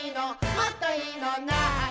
もっといいのない？」